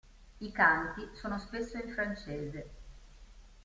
I canti sono spesso in francese.